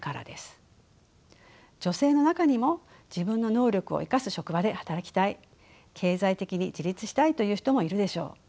女性の中にも自分の能力を生かす職場で働きたい経済的に自立したいという人もいるでしょう。